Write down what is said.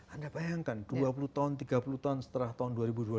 anda bayangkan dua puluh tahun tiga puluh tahun setelah tahun dua ribu dua puluh